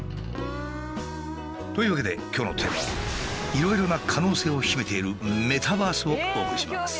というわけで今日のテーマはいろいろな可能性を秘めているメタバースをお送りします。